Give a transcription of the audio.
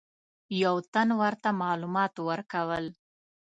یو تن ورته معلومات ورکول.